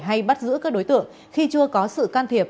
hay bắt giữ các đối tượng khi chưa có sự can thiệp